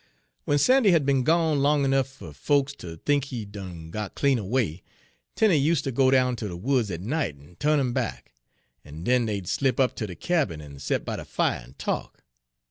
"W'en Sandy had be'n gone long ernuff fer folks ter think he done got clean away, Tenie useter go down ter de woods at night en turn 'im back, en den dey'd slip up ter de cabin en set by de fire en talk.